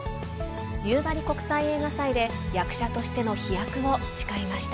ゆうばり国際映画祭で役者としての飛躍を誓いました。